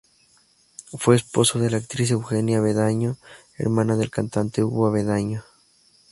Fue esposo de la actriz Eugenia Avendaño, hermana del cantante Hugo Avendaño.